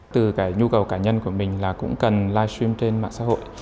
từ cái nhu cầu cá nhân của mình là cũng cần livestream trên mạng xã hội